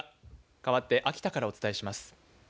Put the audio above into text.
かわって秋田からお伝えします。